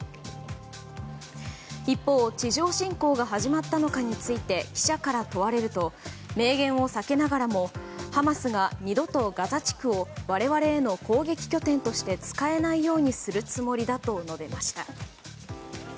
一方、地上侵攻が始まったのかについて記者から問われると明言を避けながらもハマスが二度とガザ地区を我々への攻撃拠点として使えないようにするつもりだと述べました。